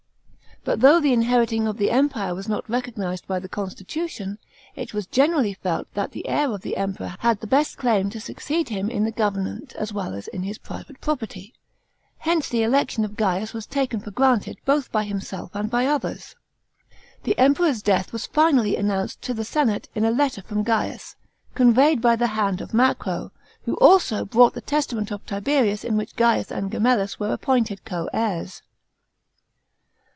But though the inheriting of the Empire was not recognised by the constitution, it was generally felt that the heir of the Emperor had the best claim to succ ed him in the government as well as in his private property. Hence the election of Gaius was taken fur granted both by himself and by others. The Emperor's death was finally announced to the senate in a letter from Gaius, conveyed by the hand of Macro, who also brought the testament of Tibet ius, in which Gaius and Gemellus were appointed co heirs.